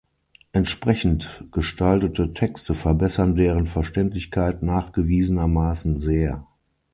Entsprechend gestaltete Texte verbessern deren Verständlichkeit nachgewiesenermaßen sehr.